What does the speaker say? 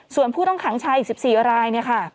ส่วนผู้ต้องขังชายอีก๑๔ราย